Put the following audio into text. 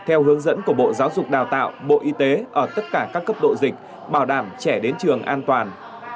theo hướng dẫn của bộ giáo dục đào tạo bộ y tế ở tất cả các cấp độ dịch bảo đảm trẻ đến trường an toàn